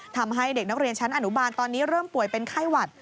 ทำให้เด็กนักเรียนชั้นอนุบาลตอนนี้เริ่มป่วยเป็นไข้หวัด